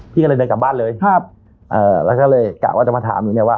พี่ก็เลยเดินกลับบ้านเลยครับเอ่อแล้วก็เลยกะว่าจะมาถามหนูเนี่ยว่า